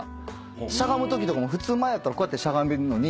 しゃがむときとかも普通前やったらこうやってしゃがめるのに。